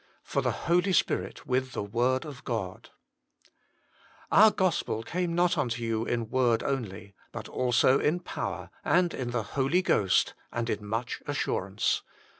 |F0r the Hfolg Spirit uriilj the Morb of "Our gospel came not unto you in word only, but also in power, and in the Holy Ghost, and in much assurance."